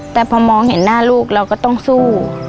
แต่พอมองเห็นหน้าลูกเราก็ต้องสู้